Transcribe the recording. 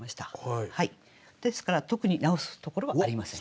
ですから特に直すところはありません。